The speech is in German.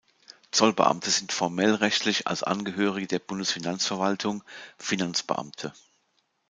Zollbeamte sind formell-rechtlich als Angehörige der Bundesfinanzverwaltung Finanzbeamte.